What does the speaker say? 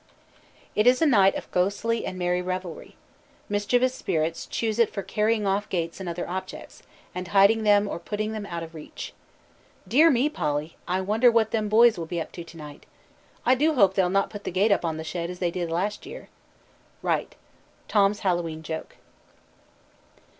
It is a night of ghostly and merry revelry. Mischievous spirits choose it for carrying off gates and other objects, and hiding them or putting them out of reach. "Dear me, Polly, I wonder what them boys will be up to to night. I do hope they'll not put the gate up on the shed as they did last year." WRIGHT: _Tom's Hallowe'en Joke.